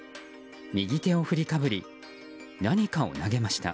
右手を振りかぶり何かを投げました。